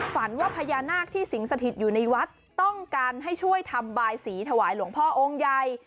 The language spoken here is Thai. ฝันว่าพญานาคที่สิงสถิตอยู่ในวัดต้องการให้ช่วยทำบายสีถวายหลวงพ่อองค์ใหญ่